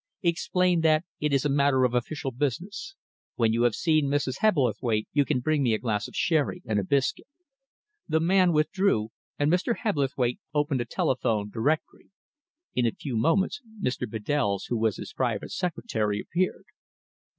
Explain that it is a matter of official business. When you have seen Mrs. Hebblethwaite, you can bring me a glass of sherry and a biscuit." The man withdrew, and Mr. Hebblethwaite opened a telephone directory. In a few moments Mr. Bedells, who was his private secretary, appeared.